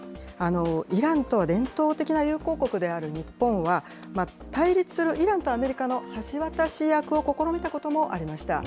イランとは伝統的な友好国である日本は、対立するイランとアメリカの橋渡し役を試みたこともありました。